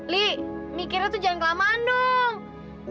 li mikirnya tuh jangan kelamaan dong